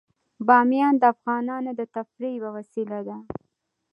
بامیان د افغانانو د تفریح یوه وسیله ده.